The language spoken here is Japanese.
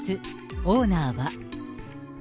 オーナーは。